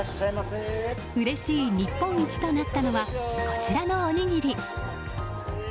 うれしい日本一となったのはこちらのおにぎり。